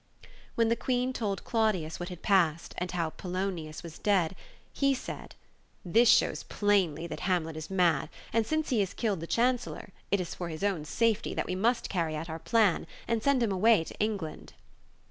When the Queen told Claudius what had passed, and how Polo nius was dead, he said, "This shows plainly that Hamlet is mad, and since he has killed the chancellor, it is for his own safety that we must carry out our plan, and send him away to England."